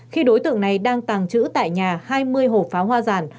khi đối tượng này đang tàng trữ tại nhà hai mươi hộp pháo hoa giả